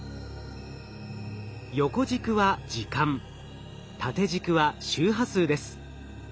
横軸は時間縦軸は周波数です。